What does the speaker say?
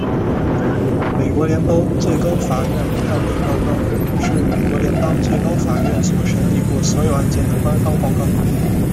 美国联邦最高法院判例报告是美国联邦最高法院所审理过所有案件的官方报告。